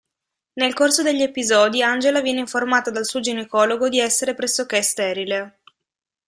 Nel corso degli episodi Angela viene informata dal suo ginecologo di essere pressoché sterile.